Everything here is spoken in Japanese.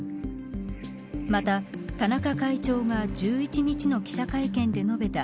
また田中会長が１１日の記者会見で述べた